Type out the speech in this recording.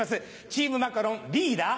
チームマカロンリーダー